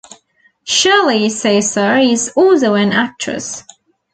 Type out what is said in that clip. Shirley Caesar is also an actress.